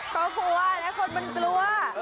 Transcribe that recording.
เขากลัวคนมันกลัว